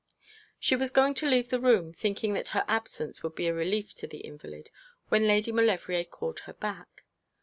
She was going to leave the room, thinking that her absence would be a relief to the invalid, when Lady Maulevrier called her back.